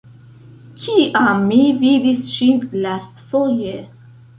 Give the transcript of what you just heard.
Kiam mi vidis ŝin lastfoje?